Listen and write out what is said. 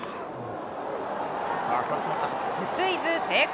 スクイズ成功！